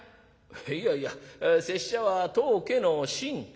「いやいや拙者は当家の臣」。